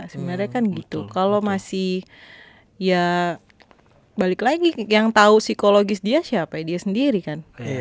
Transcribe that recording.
sebenarnya kan gitu kalau masih ya balik lagi yang tahu psikologis dia siapa dia sendiri kan